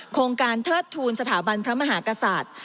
โครงการเทิดทูลสถาบันพระมหากษัตริย์